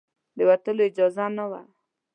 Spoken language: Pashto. د وتلو اجازه نه وه.